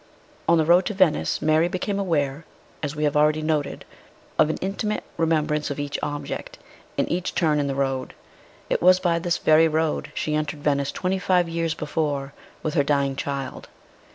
On the road to Venice Mary became aware (as we have already noted) of an intimate remembrance of each object, and each turn in the road. It was by this very road she entered Venice twenty five years before with her dying child.